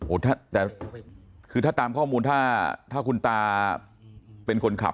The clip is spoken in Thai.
แต่คือถ้าตามข้อมูลถ้าถ้าคุณตาเป็นคนขับ